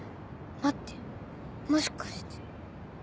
待ってもしかして。